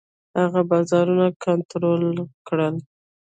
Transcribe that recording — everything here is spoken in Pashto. هغه بازارونه کنټرول کړل.